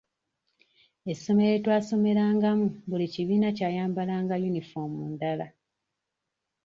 Essomero lye twasomerangamu buli kibiina kyayambalanga yuniform ndala.